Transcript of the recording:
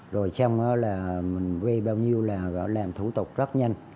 rồi xong là mình gây bao nhiêu là gọi làm thủ tục rất nhanh